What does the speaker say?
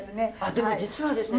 でも実はですね